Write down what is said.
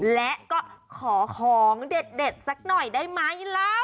และก็ขอของเด็ดสักหน่อยได้ไหมล่ะ